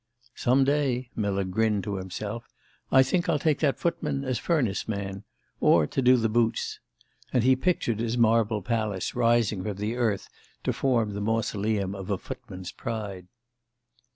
"Some day," Miller grinned to himself, "I think I'll take that footman as furnace man or to do the boots." And he pictured his marble palace rising from the earth to form the mausoleum of a footman's pride.